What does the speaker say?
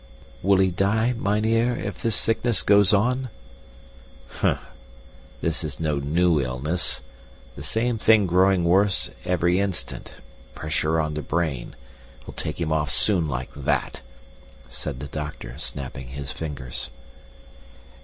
"Will he die, mynheer, if this sickness goes on?" "Humph! This is no new illness. The same thing growing worse ever instant pressure on the brain will take him off soon like THAT," said the doctor, snapping his fingers.